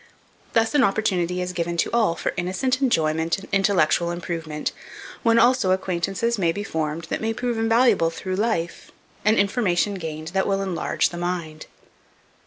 Thus an opportunity is given to all for innocent enjoyment and intellectual improvement, when also acquaintances may be formed that may prove invaluable through life, and information gained that will enlarge the mind.